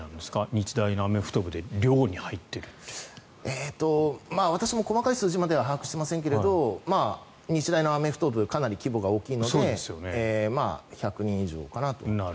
日大のアメフト部で私も細かい数字までは把握していませんが日大のアメフト部かなり規模が大きいので１００人以上かなと。